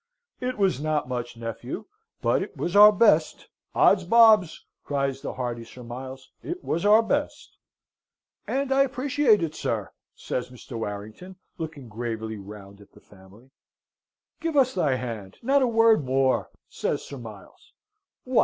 "It was not much, nephew, but it was our best. Ods bobs!" cries the hearty Sir Miles, "it was our best!" "And I appreciate it, sir," says Mr. Warrington, looking gravely round at the family. "Give us thy hand. Not a word more," says Sir Miles "What?